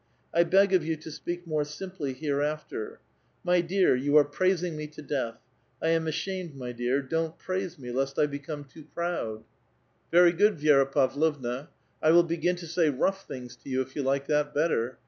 I beg of you to speak more simply hereafter. My dear [^miluf ?wo)'], you are prnising me to death. I am ashamed, my dear; don't praise me, lest I become too proud.*' A VITAL QUESTION. 121 *' Very good, Vi^ra Pavlovna; I will begin to say rough things to you if you like that better.